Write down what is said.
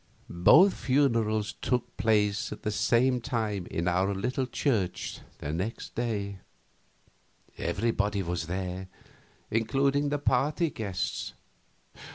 Both funerals took place at the same time in our little church next day. Everybody was there, including the party guests.